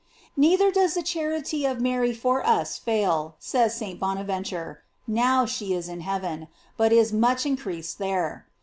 f Neither does the charity of Mary for us fail, says St. Bonaventure, now she is in heaven; but is much increased there.